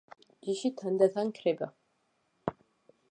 ჯიში თანდათან ქრება.